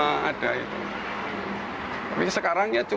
asal jalan sekarang itu